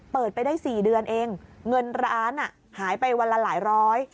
เปิดไปได้๔เดือนเองเงินร้านหายไปวันละหลายร้อย